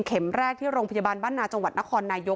แรกที่โรงพยาบาลบ้านนาจังหวัดนครนายก